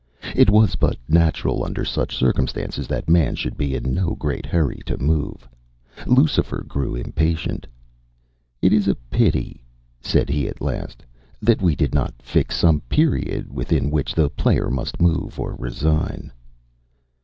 It was but natural under such circumstances that Man should be in no great hurry to move. Lucifer grew impatient. “It is a pity,” said he at last, “that we did not fix some period within which the player must move, or resign.